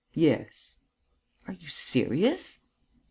"Yes." "Are you serious?"